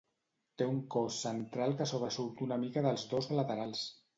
Té un cos central que sobresurt una mica dels dos laterals.